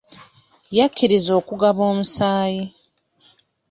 Yakkirizza okugaba omusaayi.